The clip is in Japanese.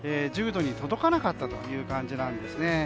１０度に届かなかったという感じなんですね。